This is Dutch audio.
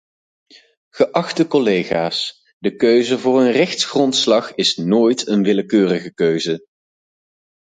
Geachte collega's, de keuze voor een rechtsgrondslag is nooit een willekeurige keuze.